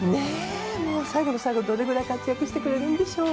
最後の最後でどれぐらい活躍してくれるんでしょう。